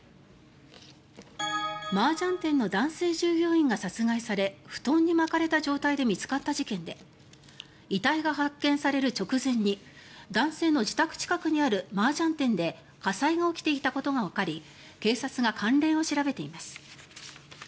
マージャン店の男性従業員が殺害され布団に巻かれた状態で見つかった事件で遺体が発見される直前に男性の自宅近くにあるマージャン店で火災が起きていたことがわかり警察が関連を調べています。